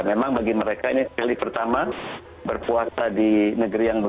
memang bagi mereka ini sekali pertama berpuasa di negeri yang berbeda